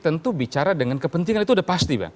tentu bicara dengan kepentingan itu udah pasti bang